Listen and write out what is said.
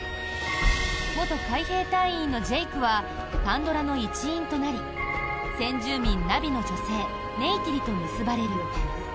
元海兵隊員のジェイクはパンドラの一員となり先住民ナヴィの女性ネイティリと結ばれる。